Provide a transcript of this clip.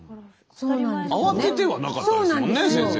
慌ててはなかったですもんね先生。